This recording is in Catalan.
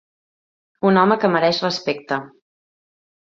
Un home que mereix respecte.